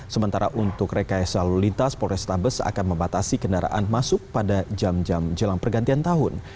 sementara untuk rekayasa lalu lintas polrestabes akan membatasi kendaraan masuk pada jam jam jelang pergantian tahun